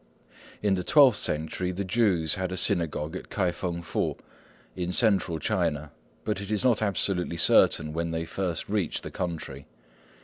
In the twelfth century the Jews had a synagogue at K'ai fêng Fu, in Central China, but it is not absolutely certain when they first reached the country.